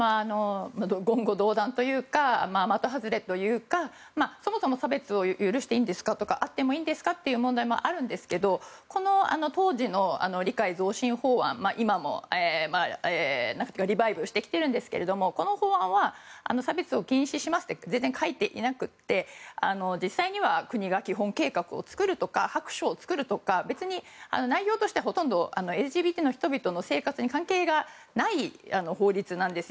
言語道断というか的外れというかそもそも、差別を許していいんですかとかあってもいいんですかっていう問題もあるんですけどこの当時の理解増進法案今もリバイブしてきているんですがこの法案は差別を禁止しますって全然書いていなくて実際には国が基本計画を作るとか、白書を作るとか内容としてはほとんどＬＧＢＴの人々の生活に関係がない法律なんですよ。